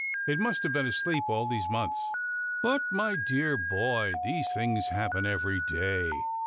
It must have been asleep all these months." " But, my dear boy, these things happen every day.